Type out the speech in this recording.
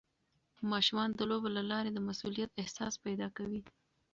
ماشومان د لوبو له لارې د مسؤلیت احساس پیدا کوي.